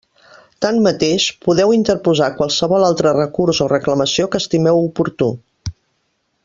Tanmateix, podeu interposar qualsevol altre recurs o reclamació que estimeu oportú.